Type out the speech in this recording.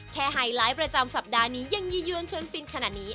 ไฮไลท์ประจำสัปดาห์นี้ยังยี่ยวนชวนฟินขนาดนี้